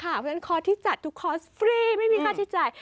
เพราะฉะนั้นคอร์สที่จัดทุกคอร์สฟรีไม่มีค่าใช้จ่าย